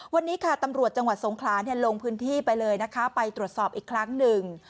วันนี้ค่ะตำรวจจังหวัดสงขลาลงพื้นที่ไปเลยนะคะไปตรวจสอบอีกครั้งหนึ่ง